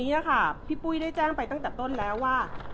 ในส่วนตรงนี้พี่ปุ๊ยได้แจ้งไปตั้งแต่ต้นแล้วว่า